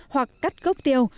hoặc cắt gốc tiêu